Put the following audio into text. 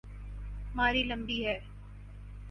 ماری لمبی ہے۔